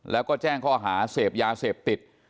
แล้วก็แจ้งข้อหาเสพยาเสพติด